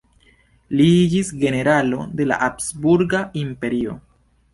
Li iĝis generalo de Habsburga Imperio.